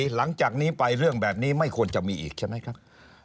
หลังจากนี้ไปเรื่องแบบนี้ไม่ควรจะมีอีกใช่ไหมครับ